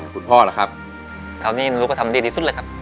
คุณพ่อล่ะครับคราวนี้ลูกก็ทำดีดีสุดเลยครับ